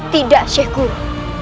tidak syekh guru